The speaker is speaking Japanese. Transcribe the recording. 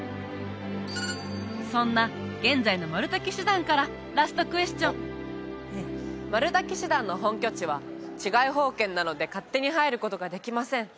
そんな現在のマルタ騎士団からラストクエスチョンマルタ騎士団の本拠地は治外法権なので勝手に入ることができません